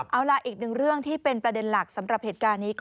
เอาล่ะอีกหนึ่งเรื่องที่เป็นประเด็นหลักสำหรับเหตุการณ์นี้